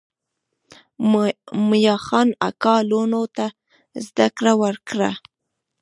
میاخان اکا لوڼو ته زده کړه ورکړه.